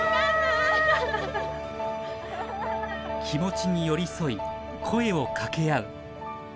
気持ちに寄り添い声を掛け合う。